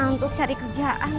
untuk cari kerjaan